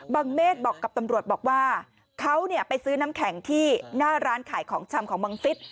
เมฆบอกกับตำรวจบอกว่าเขาไปซื้อน้ำแข็งที่หน้าร้านขายของชำของบังฟิศ